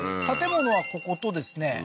建物はこことですね